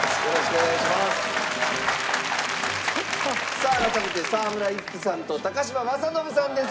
さあ改めて沢村一樹さんと嶋政伸さんです。